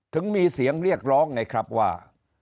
ถึงมีเสียงเรียกร้องไงครับว่า